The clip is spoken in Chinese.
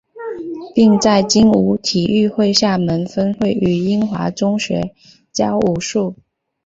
并在精武体育会厦门分会与英华中学教武术。